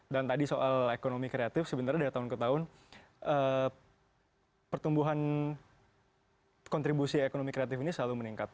dan tadi soal ekonomi kreatif sebenarnya dari tahun ke tahun pertumbuhan kontribusi ekonomi kreatif ini selalu meningkat